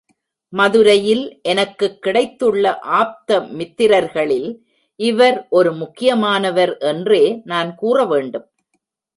மதுரையில் எனக்குக் கிடைத்துள்ள ஆப்த மித்திரர்களில் இவர் ஒரு முக்கியமானவர் என்றே நான் கூற வேண்டும்.